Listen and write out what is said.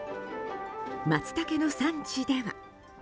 マツタケの産地では。